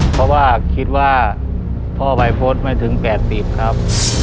เพราะว่าคิดว่าพ่อวัยพจน์ไม่ถึงแปดปีครับ